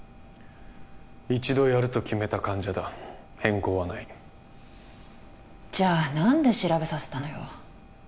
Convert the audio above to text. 一度やると決めた患者だ変更はないじゃあ何で調べさせたのよ？